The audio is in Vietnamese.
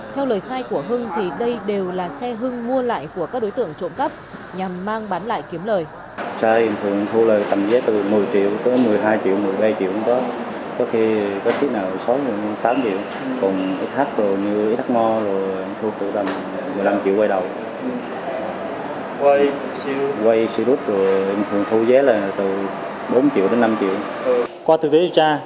theo lời khai của hưng thì đây đều là xe hưng mua lại của các đối tượng trộm cắp nhằm mang bán lại kiếm lời